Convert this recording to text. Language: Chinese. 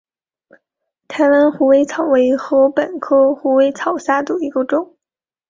台湾虎尾草为禾本科虎尾草下的一个种。